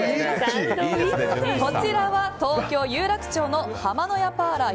こちらは東京・有楽町のはまの屋パーラー